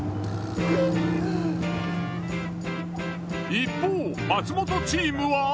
一方松本チームは。